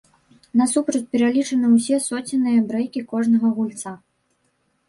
Насупраць пералічаны ўсе соценныя брэйкі кожнага гульца.